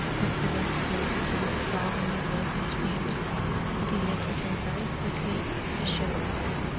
Messua flung herself sobbing at Mowgli's feet, but he lifted her very quickly with a shiver.